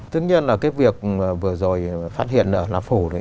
tất nhiên là cái việc vừa rồi phát hiện ở lạp hồ